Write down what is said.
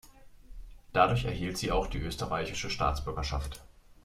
Dadurch erhielt sie auch die österreichische Staatsbürgerschaft.